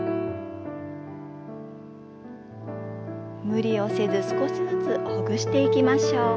無理をせず少しずつほぐしていきましょう。